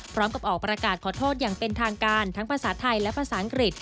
พร้อมกับออกประกาศขอโทษอย่างเป็นทางการทั้งภาษาไทยและภาษาอังกฤษ